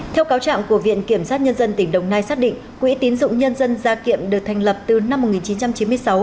theo cáo trạng của viện kiểm sát nhân dân tỉnh đồng nai xác định quỹ tín dụng nhân dân gia kiệm được thành lập từ năm một nghìn chín trăm chín mươi sáu